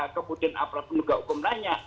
kemudian apakah penduga hukum lainnya